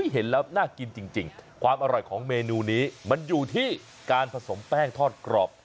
เห็นแล้วน่ากินจริงความอร่อยของเมนูนี้มันอยู่ที่การผสมแป้งทอดกรอบ